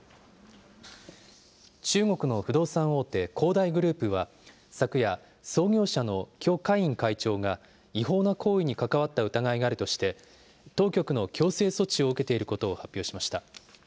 中国の不動産大手、恒大グループは、昨夜、創業者の許家印会長が違法な行為に関わった疑いがあるとして、当局の強制措置を受けていることを発表しました。